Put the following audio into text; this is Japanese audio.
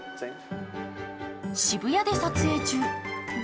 渋谷で撮影中、誰？